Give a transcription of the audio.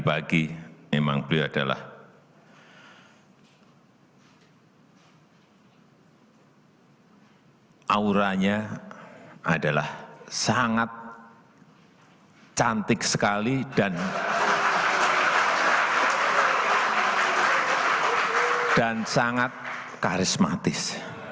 auranya adalah sangat cantik sekali dan sangat karismatis